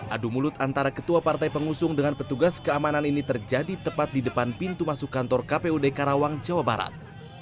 adu mulut antara ketua partai pengusung dengan petugas keamanan ini terjadi tepat di depan pintu masuk kantor kpud karawang jawa barat